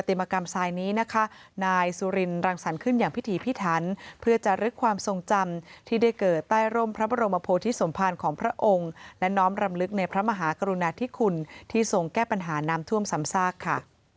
ที่ได้เกิดใต้ร่มพระบรมโพธิสมภารของพระองค์และน้อมรำลึกในพระมหากรุณาธิคุณที่ทรงแก้ปัญหานามท่วมสำซากค่ะ